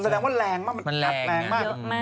แสดงว่ารถมีความแรงมาก